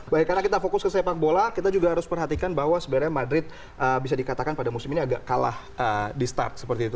baik karena kita fokus ke sepak bola kita juga harus perhatikan bahwa sebenarnya madrid bisa dikatakan pada musim ini agak kalah di start seperti itu